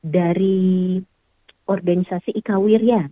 dari organisasi ika wirya